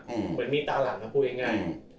เหมือนมีตาหลังนะพูดง่าย